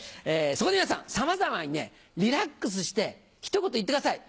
そこで皆さんさまざまにねリラックスしてひと言言ってください。